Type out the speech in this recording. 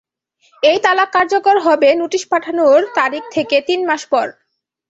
এই তালাক কার্যকর হবে নোটিশ পাঠানোর তারিখ থেকে তিন মাস পর।